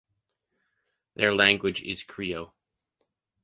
Their language is krio.